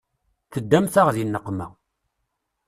Teddamt-aɣ di nneqma.